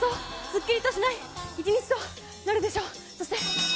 すっきりとしない１日となるでしょう。